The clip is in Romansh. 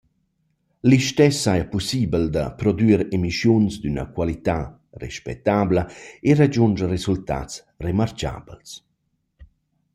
Listess saja pussibel da prodüer emischiuns d’üna qualità respetabla e ragiundscher resultats remarchabels.